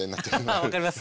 ああ分かります。